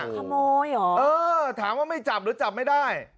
ขโมยเหรอเออถามว่าไม่จับหรือจับไม่ได้